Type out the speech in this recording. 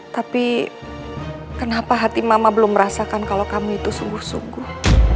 tapi kenapa hati mama belum merasakan kalau kamu itu sungguh sungguh